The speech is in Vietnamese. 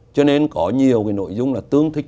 cho nên có nhiều nội dung tương thích